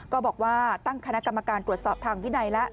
ก็บอกว่าตั้งคณะกรรมการตรวจสอบทางวินัยแล้ว